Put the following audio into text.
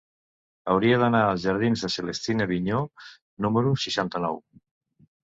Hauria d'anar als jardins de Celestina Vigneaux número seixanta-nou.